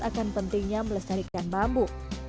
akan pentingnya melestarikan bambu